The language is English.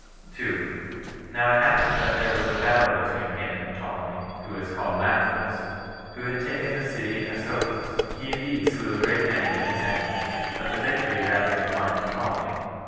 2. Now it happened that there was a battle between him and Ptolemy, who was called Lathyrus, who had taken the city Asochis. He indeed slew a great many of his enemies, but the victory rather inclined to Ptolemy.